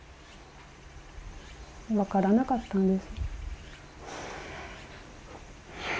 分からなかったんです。